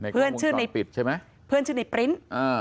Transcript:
เพื่อนชื่อในปริ้นต์